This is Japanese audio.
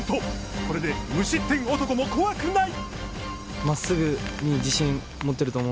これで無失点男も怖くない。